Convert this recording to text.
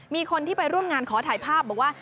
มีคนที่ไปร่วมงานขอถ่ายภาพบอกว่า